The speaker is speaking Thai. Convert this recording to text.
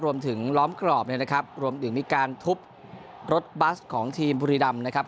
ล้อมกรอบเนี่ยนะครับรวมถึงมีการทุบรถบัสของทีมบุรีรำนะครับ